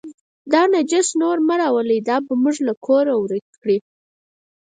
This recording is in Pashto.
دا نجس نور مه راولئ، دا به موږ له کوره ورک کړي.